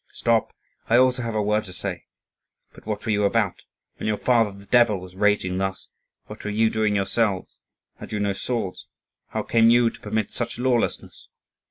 "Stop! I also have a word to say. But what were you about? When your father the devil was raging thus, what were you doing yourselves? Had you no swords? How came you to permit such lawlessness?"